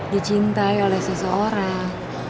dicintai oleh seseorang